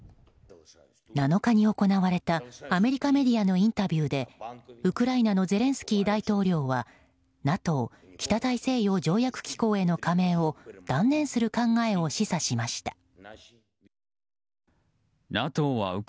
７日に行われたアメリカメディアのインタビューでウクライナのゼレンスキー大統領はＮＡＴＯ・北大西洋条約機構への加盟を断念する考えを示唆しました。